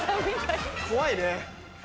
怖いね。